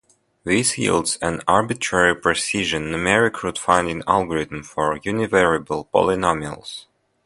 This yields an arbitrary-precision numeric root finding algorithm for univariate polynomials.